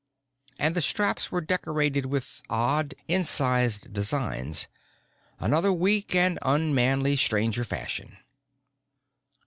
And the straps were decorated with odd, incised designs another weak and unmanlike Stranger fashion.